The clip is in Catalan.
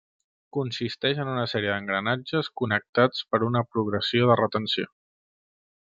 Consisteix en una sèrie d'engranatges connectats per una progressió de retenció.